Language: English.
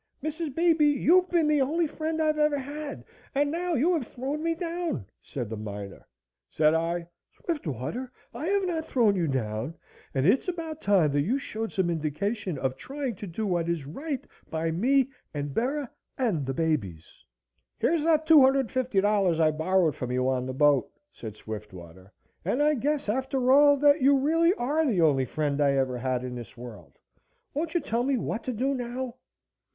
"Mrs. Beebe, you've been the only friend I've ever had and now you have thrown me down," said the miner. Said I, "Swiftwater, I have not thrown you down, and it's about time that you showed some indication of trying to do what is right by me and Bera and the babies." "Here's that $250 I borrowed from you on the boat," said Swiftwater, "and I guess after all that you are really the only friend I ever had in this world. Won't you tell me what to do now?"